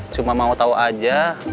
cuma mau tau aja